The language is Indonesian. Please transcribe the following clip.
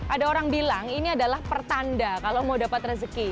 ada orang bilang ini adalah pertanda kalau mau dapat rezeki